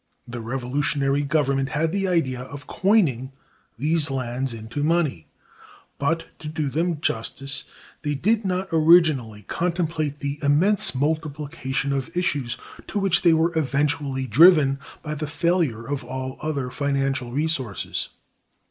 The revolutionary government had the idea of "coining" these lands into money; but, to do them justice, they did not originally contemplate the immense multiplication of issues to which they were eventually driven by the failure of all other financial resources.